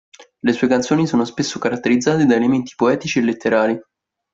Le sue canzoni sono spesso caratterizzate da elementi poetici e letterari.